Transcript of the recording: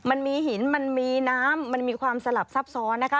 มันมีหินมันมีน้ำมันมีความสลับซับซ้อนนะคะ